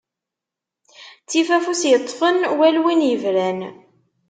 Ttif afus yeṭṭfen wal win yebran.